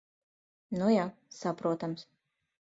Nu ja. Saprotams.